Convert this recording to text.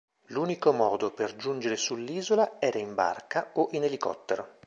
L'unico modo per giungere sull'isola era in barca o in elicottero.